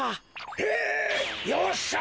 えっ！よっしゃ！